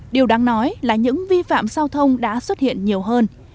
điều đáng nói là những vi phạm giao thông đã xuất hiện nhiều hơn